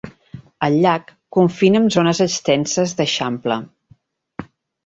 El llac confina amb zones extenses d'eixample.